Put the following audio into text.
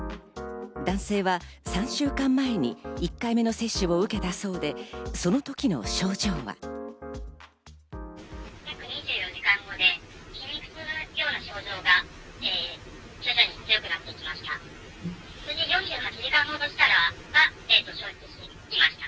男性は３週間前に１回目の接種を受けたそうで、その時の症状は。